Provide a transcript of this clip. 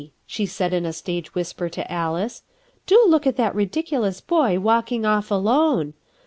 she said in a stage whisper to Alice, "do look at that ridiculous boy walking off alone.